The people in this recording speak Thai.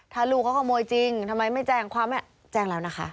ถ้าลูกเขาขโมยจริงทำไมไม่แจ้งความแจ้งแล้วนะคะ